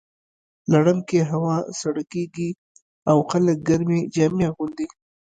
لړم کې هوا سړه کیږي او خلک ګرمې جامې اغوندي.